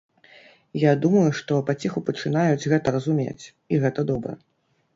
Я думаю, што паціху пачынаюць гэта разумець, і гэта добра.